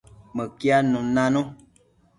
Mëquiadnun nanu